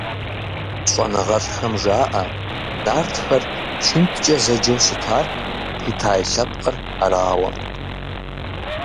Щӏэныгъэлӏхэм жаӏэ Нартхэр чынткӏэ зэджэу щытар Китай лъэпкъыр арауэ.